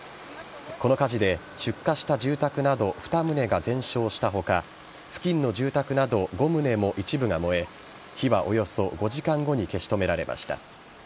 この火事で出火した住宅など２棟が全焼した他付近の住宅など５棟も一部が燃え火はおよそ５時間後に消し止められました。